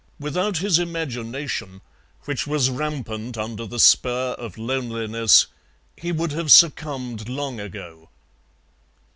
Without his imagination, which was rampant under the spur of loneliness, he would have succumbed long ago.